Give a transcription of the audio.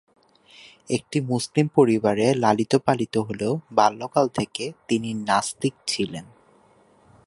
একটি মুসলিম পরিবারে লালিত-পালিত হলেও বাল্যকাল থেকেই তিনি নাস্তিক ছিলেন।